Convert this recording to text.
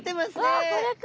あっこれか！